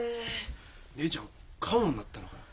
姉ちゃんカモになったのかよ。